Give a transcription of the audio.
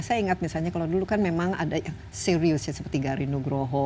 saya ingat misalnya kalau dulu kan memang ada yang serius seperti garinu groho